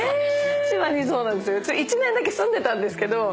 １年だけ住んでたんですけど。